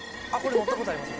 乗ったことあります。